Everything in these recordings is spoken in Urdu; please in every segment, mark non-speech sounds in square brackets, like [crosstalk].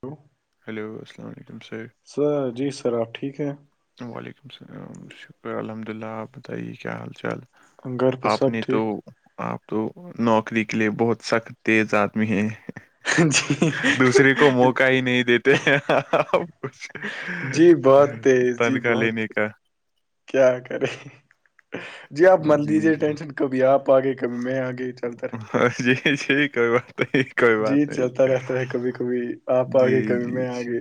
ہیلو ہیلو السلام علیکم سر سر جی سر آپ ٹھیک ہیں وعلیکم السلام شکر الحمد اللہ آپ بتائیے کیا حال چال گھر پہ آپ سب نے تو ٹھیک آپ تو نوکری کے لیے بہت سخت تیز آدمی ہیں جی دوسرے کو موقع ہی نہیں دیتے جی بہت تیز جی تنخواہ بہت لینے کا کیا کرے جی آپ من جی لیجے جی ٹینشن کبھی آپ آ گئے کبھی میں آگے چلتا رہتا ہاں جی جی کوئی بات نہیں کوئی بات جی نہیں چلتا رہتا ہے کبھی کبھی آپ جی آگے کبھی جی میں جی آگے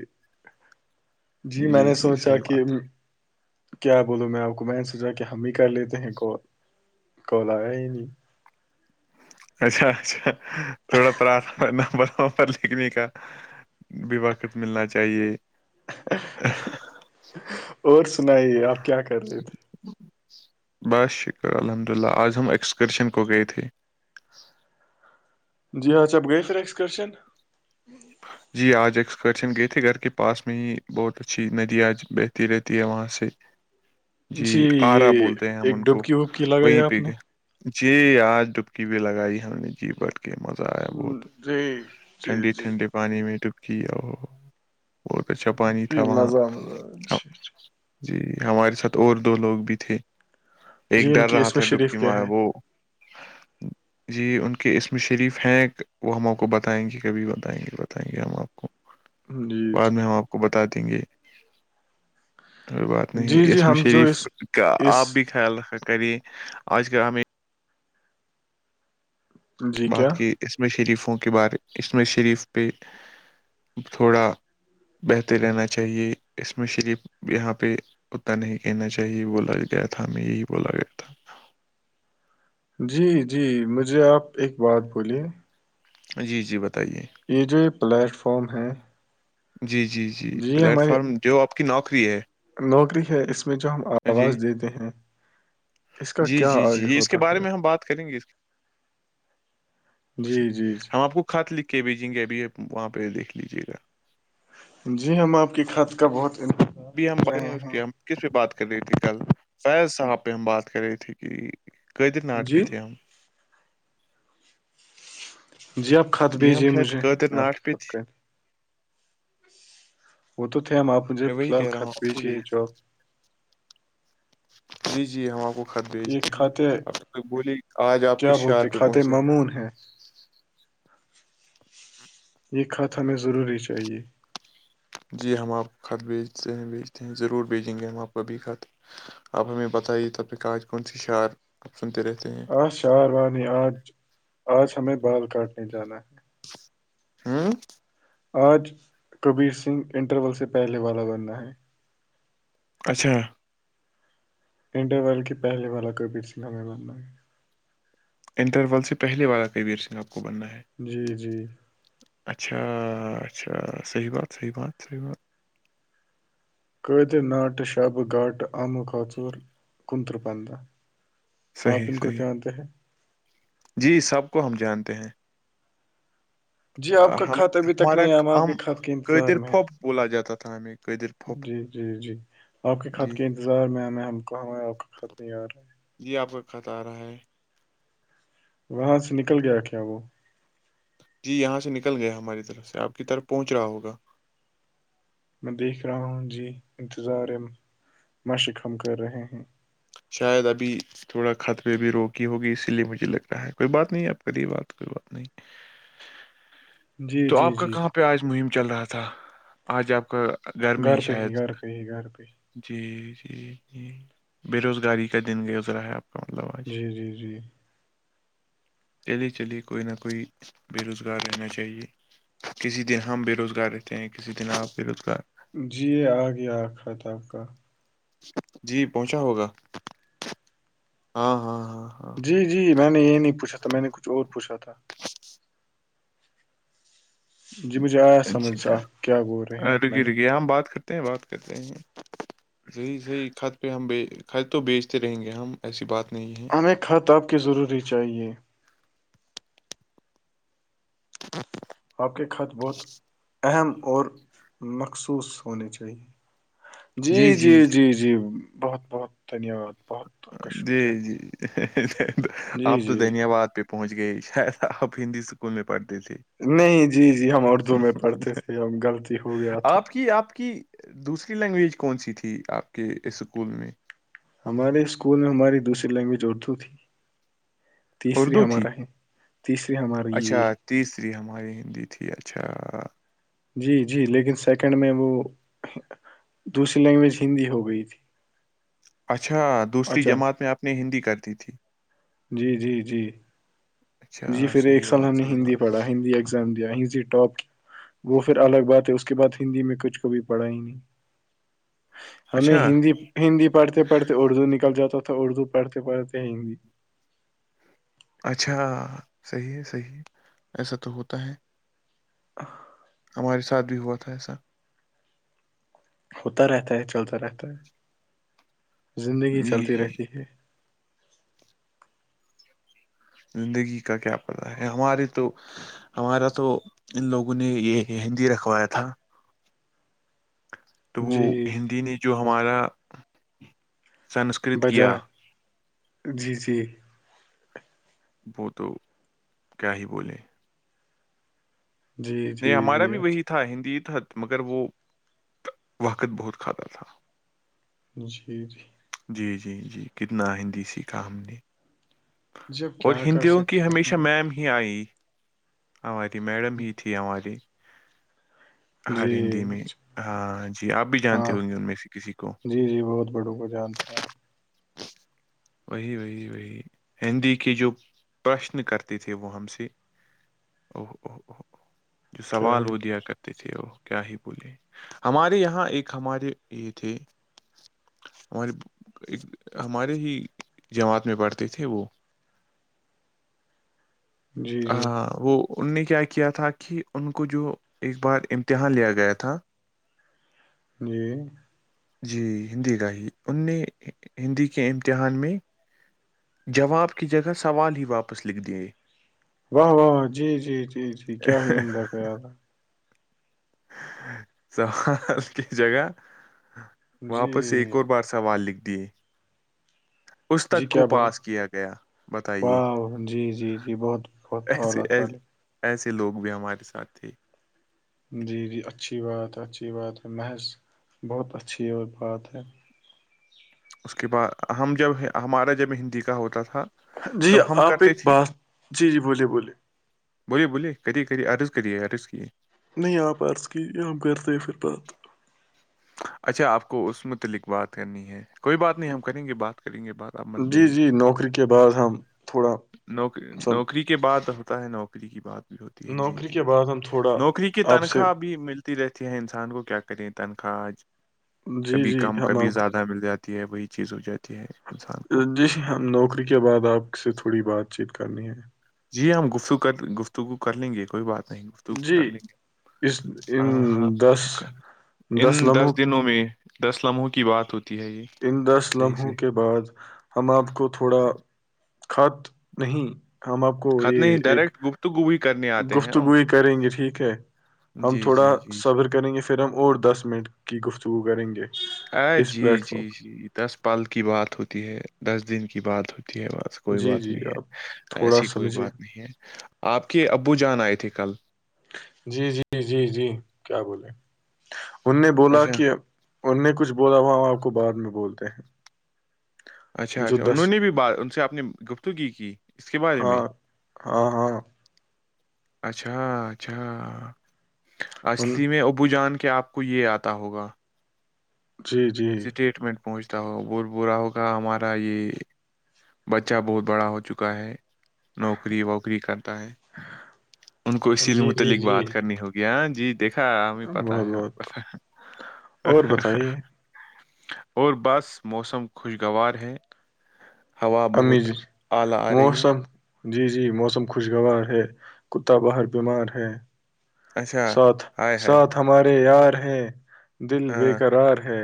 جی میں نے سوچا صحیح کہ بات ہے کیا بولو میں آپ کو میں نے سوچا کہ ہم ہی کر لیتے ہیں کال کال آیا ہی نہیں اچھا اچھا تھوڑا پرارھنا نمبر ومبر لکھنے کا ابھی وقت ملنا چاہیے اور سنائیے آپ کیا کر رہے تھے بس شکر الحمد اللہ آج ہم ایکسکرشن کو گئے تھے جی اج اپ گئے پھر ایکسکرشن جی آج ایکسکرشن گئے تھے گھر کے پاس میں ہی بہت اچھی ندی آج بہتی رہتی ہے وہاں سے جی آرا یہ بولتے ہیں ہم ایک ان کو ڈبکی وبکی لگائی وہیں آپ پہ نے گئے جی آج ڈبکی بھی لگائی ہم نے جی بٹ مزہ آیا بہت جی جی ٹھنڈے جی ٹھنڈے پانی میں ڈبکی او ہو ہو بہت اچھا پانی جی تھا وہاں مزہ مزہ جی جی جی ہمارے ساتھ اور دو لوگ بھی تھے ایک جی ان ڈر کی رہا اس میں تھا شریف ڈبکی کیا مار ہے وہ جی ان کے اسم شریف ہیں وہ ہم اپ کو بتائیں گے کبھی بتائیں گے بتائیں گے ہم آپ کو جی بعد جی میں ہم آپ کو بتا دیں گے کوئی بات نہیں جی جی اسم ہم جو شریف اس کا اس آپ بھی خیال رکھا کرے آج کل ہمیں جی کیا بات کی اسم شریفوں کے بارے اسم شریف پہ تھوڑا بہتے رہنا چاہیے اسم شریف یہاں پہ اتنا نہیں کہنا چاہیے بولا گیا تھا ہمیں یہی بولا گیا تھا جی جی مجھے آپ ایک بات بولیے جی جی بتائیے یہ جو یہ پلیٹ فارم ہے جی جی جی یہ پلیٹ ہماری فارم جو آپ کی نوکری ہے نوکری ہے اس میں جو ہم آواز جی دیتے ہیں اس کا جی کیا جی جی آگے یہ اس کے ہوتا بارے ہے میں ہم بات کریں گے اس کی سے جی جی ہم جی آپ کو خط لکھ کے بھیجیں گے ابھی وہاں پہ دیکھ لیجیے گا جی ہم آپ کے خط کا بہت بی ہم کر ب کیا رہے ہیں [unintelligible] کس پہ بات کر رہی تھی کل فیض صاحب پہ ہم بات کر رہے تھے کہ قیدر ناٹ پہ جی تھ ہم [unintelligible] جی آپ خط جی ہم بھیجیے شاید مجھے قیدر میں آپ کی ناٹ پہ خط تھے کہہ د وہ تو تھے ہم آپ مجھے میں فی وہی الحال کہہ رہا ہوں کچ آپ کو بھیجیے یہ جو آپ جی جی ہم آپ کو خط یہ بھیجتے ہیں کھاتے اب بولیے آج آپ کس شہر پہ پہنچے ہیں کوون ہے یہ کھات ہمیں ضروری چاہیے جی ہم آپ کو خط بیچتے ہیں بیچتے ہیں ضرور بھیجیں گے ہم آپ کابھی خط آپ ہمیں بتائیے تب پہ کہ کون سی شعر اب سنتے رہتے ہیں آ شہاروانی آج آج ہمیں بال کاٹنے جانا ہے ہوں آج کبیر سنگھ انٹرول سے پہلے والا بننا ہے اچھا انٹر ورلڈ کے پہے والا کبیر سنگا ہمیں بننا انٹرول سے پہلے والا کبیر سنگھ آپ کو بننا ہے جی جی اچھا اچھا صحیح بات صحیح بات صحیح بات قیدر ناٹہ شاب گھاٹہ آمہ کاچور کنترہ پندہ آپ صحیح ان کو صحیح جانتے ہیں [unintelligible] جی سب کو ہم جانتے ہیں جی آپ کا ہم کھات ابھی تک ہمارا نہیں آ آپ کے ہم کھاد کے انتظار قیدر میں پھوپ بولا جاتا تھا ہمیں قیدر پھوپ جی جی جی آپ کے خھط جی کے انتظار میں ہمیں ہم کو ہمیں آپ کے خط نہیں آ رہا ہے جی آپ کا خات آ رہا ہے [unintelligible] وہاں سے نکل گیا کیا وہ جی یہاں سے نکل گیا ہماری طرف سے آپ کی طرف پہنچ رہا ہوگا میں دیکھ رہا ہوں جی انتظار مشق ہم کر رہے ہیں شاید ابھی تھوڑا خت پے بھی روکی ہوگی اسی لیے مجھے لگ رہا ہے کوئی بات نہیں آپ کری بات کوئی بات نہیں [inaudible] [inaudible] تو جی آپ کا جی کہاں پہ آج مہم چل رہا تھا آج آپ کا گرمی ہی گھر پہ شاید گھر پہ ہی گھر پہ ہی [unintelligible] جی جی جی بے روزگاری کا دن گزرا ہے اب کالواج [inaudible] جی جی جی [inaudible] [inaudible] چلے چلیے کوئی نہ کوئی بےرزگار رہنا چاہیے کسی دن ہم بے روزگار رہتے ہیں کسی دن آپ بے روزگار جی یہ آ گیاکھھا تھا آپ کا جی پہنچا ہوگا ہاں ہاں ہاں ہاں جی جی میں نے یہ نہیں پوچھا تھا میں نے کچھ اور پوچھا تھا جی مجھے آیا سمجھ آپ کیا بول رہے اچھا ہیں میں رکی نے رکی ہم بات کرتے بات کرتے ہیں صحیح صحیح خط پہ ہم ب خط تو بیچتے رہیں گے ہم ایسی بات نہیں ہے ہمیں کھطاب کی ضروری چاہیے ہ [inaudible] [inaudible] آپ کے کھط بہت اہم اور مخصوص ہونے چاہیے جی جی جی جی بہت بہت دھنیہ واد بہت آپ کا جی شکریہ جی جی آپ تو جی دھنیہ واد پ پہنچ گئی شاید آپ ہندی اسکول میں پڑھتے تھے نہیں جی جی ہم اردو میں پڑھتے تھے ہم غلطی ہو گیا تو آپ کی آپ کی دوسری لینگویج کون سی تھی آپ کے اس اسکول میں ہمارے اسکول میں ہماری دوسری لینگویج اردو تھی تیسری اردو تھی ہمارا ہے تیسری ہماریے یہ اچھا تیسری ہماری ہندی تھی اچھا جی جی لیکن سیکنڈ میں وہ دوسری لینگویج ہندی ہو گئی تھی اچھا دوسری اچانک جماعت میں آپ نے ہندی کر دی تھی جی جی جی جی اچھا پھر ایک صحیح سال ہم بات نے صحیح ہندی بات پڑھا ہندی ایگزام دیا ہی ٹاپ وہ پھر الگ بات ہے اس کے بعد ہندی میں کچھ کو بھی پڑھا ہی نہیں ہمیں اچھا ہندی ہندی پڑھتے پڑھتے اردو نکل جاتا تھا اردو پڑھتے پڑھتے ہندی اچھا صحیح ہے صحیح ہے ایسا تو ہوتا ہے ا تہارے ساتھ بھی ہوا تھا ایسا ہوتا رہتا ہے چلتا رہتا ہے زندگی جی چلتی جی رہتی ہے زندگی کا کیا پتا ہے ہمارے تو ہمارا تو ان لوگوں نے یہ ہندی رکھوایا تھا تو وہ جی ہندی نے جو ہمارا سنسکرت بجا کیا جی جی وہ تو کیا ہی بولے جی نہیں جی ہمارا جی بھی اچھا وہی تھا ہندی تت مگر وہ وقت بہت کھاتا تھا جشید جی جی جی کتنا ہندی سیکھا ہم نے جی اب اور کیا کر ہندیوں کی سکتے ہیں ہمیشہ میم ہی آئی ہماری میڈم ہی ت ہم ہماری ہاں جی ہر ہندی میں اچھا ہاں جی آپ بھی ہاں جانتے ہوں گے ہاں ان میں سے کسی کو جی جی بہت بڑوں کو جانتے ہیں آپ [unintelligible] وہی وہی وہی ہندی کے جو پرشن کرتے تھے وہ ہم سے او جو کیا سوال ہی وہ دیا کر تھے وہ کیا ہی بولے ہمارے یہاں ایک ہمارے یہ تھے ہمارے ہمارے ہی جماعت میں پڑھتے تھے وہ ہاں ہاں وہ ان نے کیا کیا کیا تھا کہ ان کو جو ایک بار امتحان لیا گیا تھا جی جی ہندی گاہی ان نے ہندی کے امتحان میں جواب کی جگہ سوال ہی واپس لکھ دے واہ واہاہ جی جی جی جی ا کیا ہی عمدہ خیال ساز کی جگہ ہے واپس جی ایک اور بار سوال لکھ دیے اس جی تک کیا کو ب پاس کیا گیا بتائیے واہ جی جی جی بہت بہت ایسے الہ ایسے تعالی ایسے لوگ بھی ہمارے ساتھ تھے جی جی اچھی بات ہے اچھی بات ہے محض بہت اچھی اور بات ہے اس کے بعد ہم جب ہمارا جب ہندی کا ہوتا تھا جی تب ہم آپ کرتے ایک تھے بات جی جی بولیے بولیے بولیے بولیے کرریے کرریھی عرض کریے عرض کییے نہیں آپ عرض کی آپ گھر تھے پھر بات اچھا اپ کو اس متعلق بات کرنی ہے کوئی بات نہیں ہم کریں گے بات کریں گے بات آپ مت ڈے جی جی نوکری کے بعد ہم تھوڑا نوک سب نوکری کے بع ہوتا ہے نوکری کی بات ہوتی ہے جی نوکری جی کے جی بعد ہم تھوڑا نوکری کی آپ سے تنخواہ بھی مل تی رہتی ہے انسان کو کیا کریں تنخواہ جی کبھی جی کم ہم کبھی آپ زیادہ مل جاتی ی ہے وہی چیز ہو جاتی ہے انسان کو جی ہم نوکری کے بعد آپ سے تھوڑی بات چیت کرنی ہے جی ہم گفتگ کر گفتگو کر لیں گے کوئی بات نہیں گفتگو جی کر لیں اس گے ہاں ہاں دس ان دس دنوں میں دس لمحوں کی بات ہوتی ہے یہ ان دس صحیح لمحوں سے کے بعد ہم آپ کو تھوڑا خط نہیں ہم آپ کو یہ ایک گپتگو بھی کرنے آتے ہیں ہم گفتگوئی کریں گے ٹھیک ہے ہم جی تھوڑا جی جی جی صبر کریں گے پھر ہم اور دس منٹ کی گفتگو کریں گے ا اس جی پلیٹ جی فارم جی دس پل کی بات ہوتی ہے دس دن کی بات ہوتی ہے وہاں کوئی جی بات جی نہیں آپ ہے تھوڑا ایسی کوئی سمجھیے بات نہیں ہے آپ کے ابو جان آئے تھے کل جی جی جی جی کیا بولے ان نے بولا اچھا کہ ان نے کچھ بولا وہ ہم آپ کو بعد میں بولتے ہیں اچھا جو اچھا انہوں دس نے بھی بات ان سے اپنی گفتگی کی اس کے بارے میں ہاں ہاں ہاں اچھا اچھا ان اصلی میں ابو جان کے آپ کو یہ آتا ہوگا جی جی اسٹیٹمنٹ پہنچتا ہو بر برا ہوگا ہمارا یہ بچہ بہت بڑا ہو چکا ہے نوکری ووکری کرتا ہے ان کو اسی جی جی متعلق جی بات کرنی ہوگی گیان جی دیکھا ہمیں پتا بہت ہے ہمیں بہت پتا ہے اور بتائیے اور بس موسم خوشگوار ہے ہوا بہت امزد اعلی آ رہی ہے مسم [unintelligible] جی جی موسم خوشگوار ہے کتا باہر بیمار ہے اچھا ساتھ ہائے ہائے ساتھ ہمارے یار ہیں دل بےیکرار ہے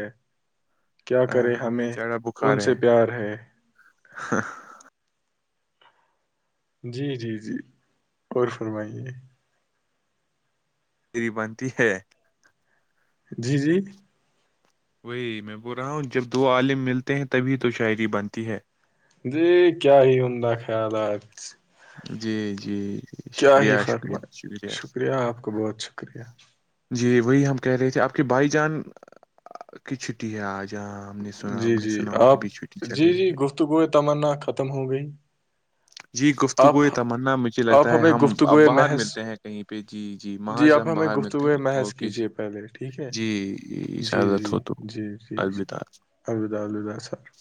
کیا ا کرے ہمیں چارا بخار ان سے ہے پیار ہے جی جی جی اور فرمائیے تری بنتی ہے جی جی وہی میں بول رہا ہوں جب دو عالم ملتے ہیں تبھی تو شاعری بنتی ہے جی کیا ہی انہ خیال آج جی جیی کیا ہی فرمائے شکریہ آپ کا بہت شکریہ جی وہی ہم کہہ رہے تھے آپ کی بائی جان کی چھٹی ہے آج جاں آ ہم نے سنا ہم نے سنا ان کی بھی چھوٹی چل رہی ہے تو گوئے تمنا ختم ہو گئی جی آپ گفتگو تمنا مجھے آپ لگتا ہے ہمیں ہم اب گفتگو باہر محض ملتے ہیں کہیں پہ جی جی محض آپ ہم ہمیں باہر گفت ملتے ہوئے ہیں محض اوکے جی کیجیے پہلے ٹھیک ہے جی جی جی اجازت ہو تو جی جی جی الوداع الد الدا سر [unintelligible]